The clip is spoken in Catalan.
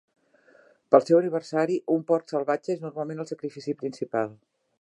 Per al seu aniversari, un porc salvatge és normalment el sacrifici principal.